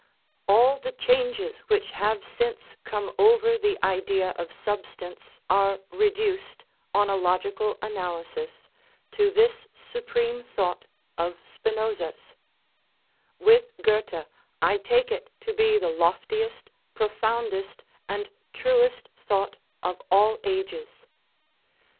All the changes which have since come ovei the idea of substance are reduced, on a logical analysis, to this supreme thought of Spinoza's ; with Goethe I take it to be the loftiest, prof oundest, and truest thought of all ages.